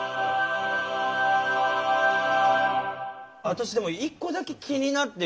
私でも１個だけ気になって。